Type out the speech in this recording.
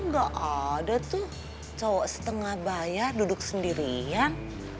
nggak ada tuh cowok setengah bayar duduk sendirian